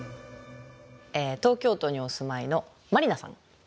東京都にお住まいのまりなさん